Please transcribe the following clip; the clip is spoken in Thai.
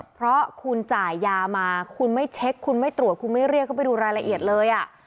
เพราะคุณจ่ายยามาคุณไม่เช็คคุณไม่ตรวจคุณไม่เรียกเขาไปดูรายละเอียดเลย